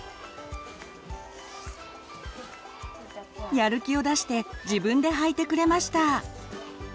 やる気を出して自分ではいてくれました。